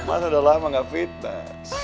mas udah lama gak fitness